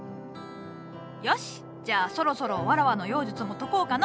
よしじゃあそろそろわらわの妖術も解こうかの？